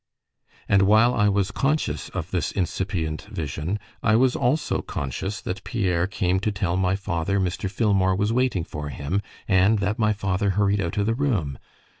And while I was conscious of this incipient vision, I was also conscious that Pierre came to tell my father Mr. Filmore was waiting for him, and that my father hurried out of the room.